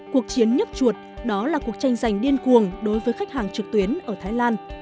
cuộc chiến nhấp chuột đó là cuộc tranh giành điên cuồng đối với khách hàng trực tuyến ở thái lan